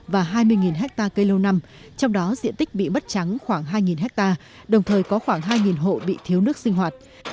và hai mươi hectare cây lâu năm trong đó diện tích bị mất trắng khoảng hai hectare đồng thời có khoảng hai hộ bị thiếu nước sinh hoạt